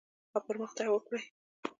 او پرمختګ وکړي.